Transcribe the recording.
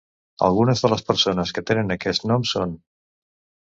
Algunes de les persones que tenen aquest nom són